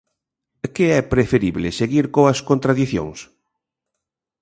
Que é preferible seguir coas contradicións?